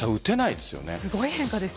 すごい変化です。